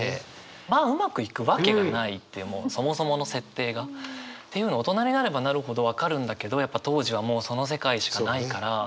まあうまくいくわけがないってもうそもそもの設定が。っていうのを大人になればなるほど分かるんだけどやっぱ当時はもうその世界しかないから。